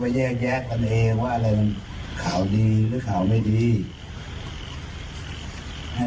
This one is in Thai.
แต่ที่พี่ขอก็คือขอให้เราน่าวตัวเองให้ดีหรือให้ได้